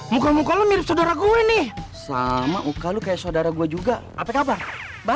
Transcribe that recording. muka muka lu mirip saudara gue nih sama uka lu kayak saudara gue juga apa kabar mbak